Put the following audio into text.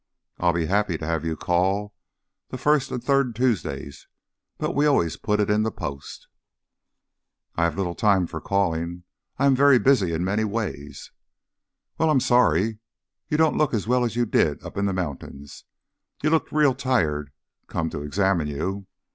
I'll be happy to have you call the first and third Tuesdays; but we always put it in the Post." "I have little time for calling. I am very busy in many ways." "Well, I'm sorry. You don't look as well as you did up in the mountains; you look real tired, come to examine you.